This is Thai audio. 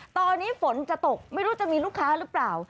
ตอนนี้ฝนจะตกไม่รู้จะมีลูกค้าหรือเปล่า